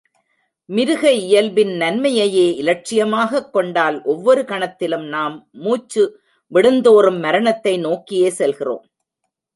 மிருக இயல்பின் நன்மையையே இலட்சியமாகக் கொண்டால், ஒவ்வொரு கணத்திலும், நாம் மூச்சு விடுந்தோறும், மரணத்தை நோக்கியே செல்கிறோம்.